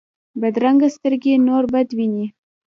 بدرنګه سترګې نور بد ویني